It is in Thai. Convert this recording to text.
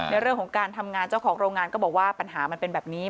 ในเรื่องของการทำงานเจ้าของโรงงานก็บอกว่าปัญหามันเป็นแบบนี้